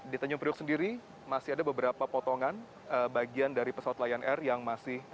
di tanjung priok sendiri masih ada beberapa potongan bagian dari pesawat lion air yang masih